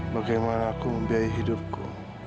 bagaimana aku membiayai hidupku